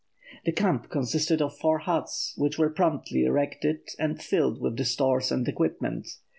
The camp consisted of four huts, which were promptly erected and filled with the stores and equipment.